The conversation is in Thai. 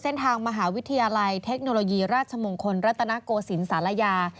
เส้นทางมหาวิทยาลัยเทคโนโลยีราชมงคลรัตนโกศิลปศาลายา